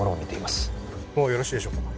もうよろしいでしょうか？